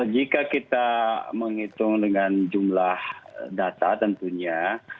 jika kita menghitung dengan jumlah data tentunya